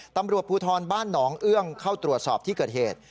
ตำรวจภูทรบ้านหนองเอื้องเข้าตรวจสอบที่เกิดเหตุ